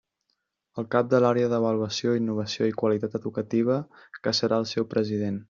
El cap de l'Àrea d'Avaluació, Innovació i Qualitat Educativa que serà el seu president.